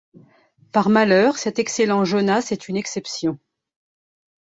Par malheur, cet excellent Jonas est une exception.